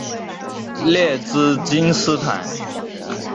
列兹金斯坦。